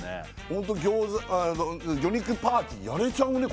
ホント魚肉パーティーやれちゃうね